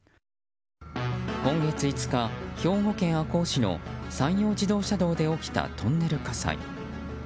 今月５日、兵庫県赤穂市の山陽自動車道で起きたトンネル火災。